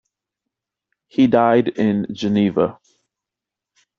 He died in Geneva.